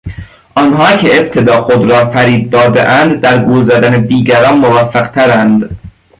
آنان که ابتدا خود را فریب دادهاند در گول زدن دیگران موفق ترند.